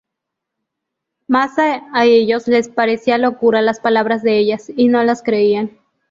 Mas a ellos les parecían locura las palabras de ellas, y no las creían.